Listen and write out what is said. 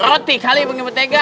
roti kali pengebetega